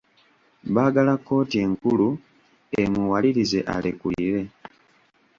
Baagala kkooti enkulu emuwalirize alekulire.